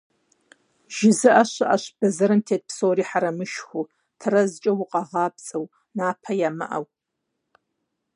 ЖызыӀэ щыӀэщ бэзэрым тет псори хьэрэмышхыу, тэрэзэкӀэ укъагъапцӀэу, напэ ямыӀэу.